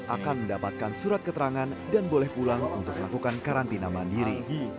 akan mendapatkan surat keterangan dan boleh pulang untuk melakukan karantina mandiri